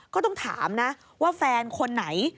ก็ต้องถามนะว่าแฟนคนไหน